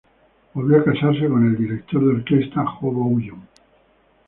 Volvió a casarse con el director de orquesta Jo Bouillon.